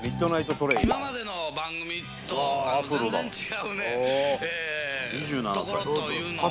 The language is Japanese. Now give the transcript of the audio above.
今までの番組と全然違うところというのをね